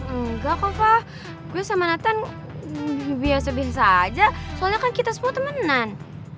enggak kok pak gue sama nathan biasa biasa aja soalnya kan kita semua temenan